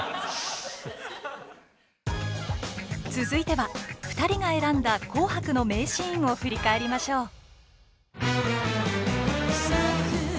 続いては２人が選んだ「紅白」の名シーンを振り返りましょう。